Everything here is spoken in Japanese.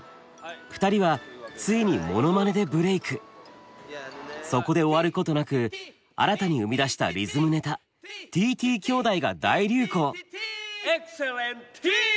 ２人はついにそこで終わることなく新たに生み出したリズムネタＴＴ兄弟が大流行！